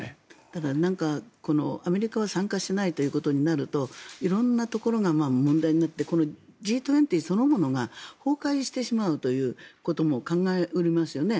ただ、アメリカは参加しないということになると色んなところが問題になってＧ２０そのものが崩壊してしまうということも考え得ますよね。